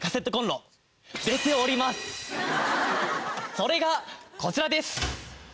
それがこちらです！